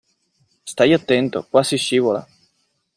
Stai attento, qua si scivola.